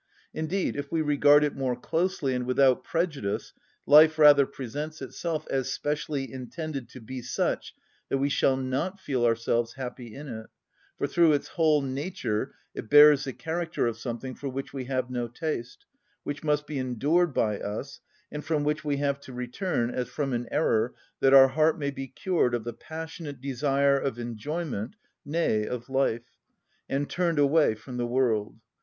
Indeed, if we regard it more closely and without prejudice, life rather presents itself as specially intended to be such that we shall not feel ourselves happy in it, for through its whole nature it bears the character of something for which we have no taste, which must be endured by us, and from which we have to return as from an error that our heart may be cured of the passionate desire of enjoyment, nay, of life, and turned away from the world.